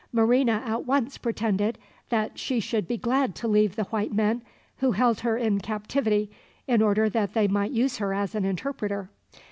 Marina at once pretended that she should be glad to leave the white men, who held her in captivity in order that they might use her as an interpreter.